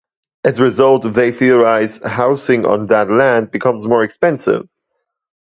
As a result, they theorize, housing on that land becomes more expensive.